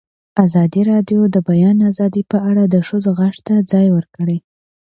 ازادي راډیو د د بیان آزادي په اړه د ښځو غږ ته ځای ورکړی.